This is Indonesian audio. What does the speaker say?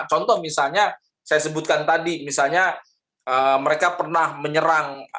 contoh misalnya saya sebutkan tadi misalnya mereka pernah menyerang